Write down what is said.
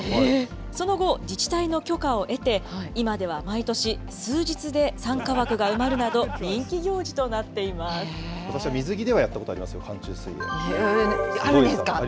その後、自治体の許可を得て、今では毎年、数日で参加枠が埋まるなど、私は水着ではやったことありあるんですか？